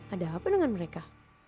ada apa dengan mereka